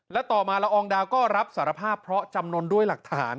และต่อมาละอองดาวก็รับสารภาพเพราะจำนวนด้วยหลักฐาน